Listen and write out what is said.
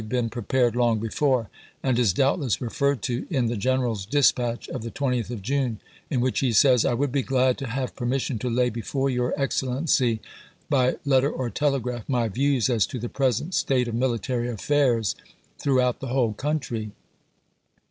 It had probably been prepared long before, and is doubtless referred to in the gen eral's dispatch of the 20th of June, in which he says, Vol/ XL, " I would be glad to have permission to lay before p. 48.*' your Excellency, by letter or telegraph, my views as HARRISON'S LANDING 451 to the present state of military affairs throughout cu.xxrv. the whole country."